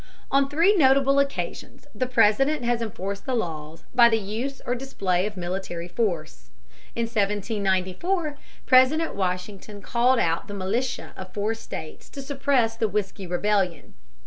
On three notable occasions the President has enforced the laws by the use or display of military force. In 1794 President Washington called out the militia of four states to suppress the Whiskey Rebellion.